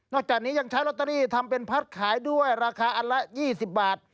จากนี้ยังใช้ลอตเตอรี่ทำเป็นพัดขายด้วยราคาอันละ๒๐บาท